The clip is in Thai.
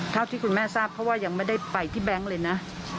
ที่คุณแม่ทราบเพราะว่ายังไม่ได้ไปที่แบงค์เลยนะ